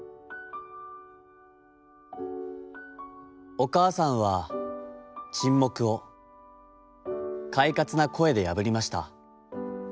「おかあさんは沈黙を、快活な声でやぶりました。